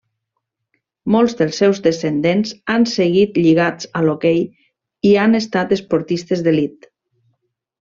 Molts dels seus descendents han seguit lligats a l'hoquei i han estat esportistes d'elit.